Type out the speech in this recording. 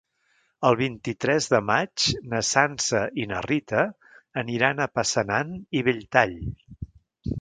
El vint-i-tres de maig na Sança i na Rita aniran a Passanant i Belltall.